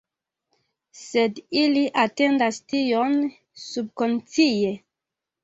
Sed ili atendas tion subkonscie